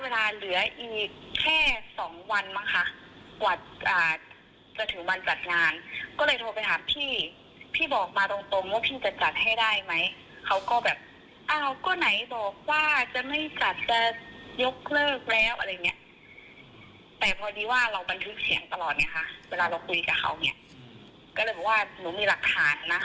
แล้วคุยกับเขาเนี่ยก็เลยบอกว่าหนูมีหลักฐานนะ